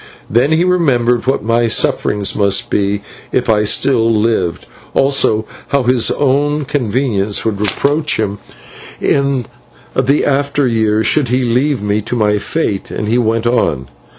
Then he remembered what my sufferings must be if I still lived, and how his own conscience would reproach him in the after years, should he leave me to my fate, and he went on.